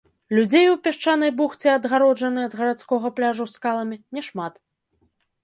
Людзей у пясчанай бухце, адгароджанай ад гарадскога пляжу скаламі, няшмат.